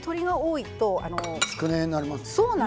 つくねになりますよね。